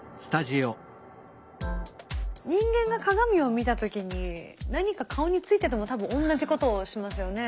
人間が鏡を見た時に何か顔についてても多分同じことをしますよね。